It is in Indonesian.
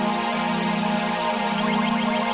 sekarang selama ini kamu gini